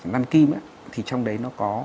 năn kim thì trong đấy nó có